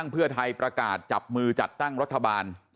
เพื่อไทยประกาศจับมือจัดตั้งรัฐบาล